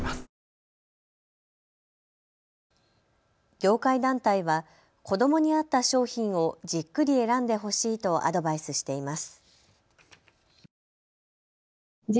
業界団体は子どもに合った商品をじっくり選んでほしいとアドバイスしています。